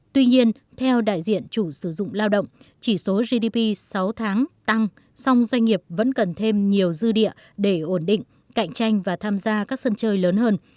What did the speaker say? tuy nhiên theo đại diện chủ sử dụng lao động chỉ số gdp sáu tháng tăng song doanh nghiệp vẫn cần thêm nhiều dư địa để ổn định cạnh tranh và tham gia các sân chơi lớn hơn